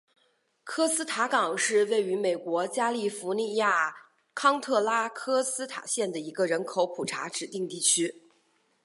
科斯塔港是位于美国加利福尼亚州康特拉科斯塔县的一个人口普查指定地区。